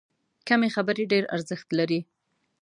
کمې خبرې، ډېر ارزښت لري.